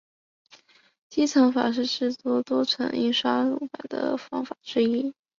积层法是制作多层印刷电路板的方法之一。